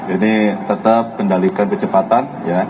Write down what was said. ini tetap kendalikan kecepatan